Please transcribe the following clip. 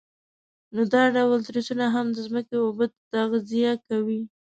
نو دا ډول تریسونه هم د ځمکې اوبه تغذیه کوي.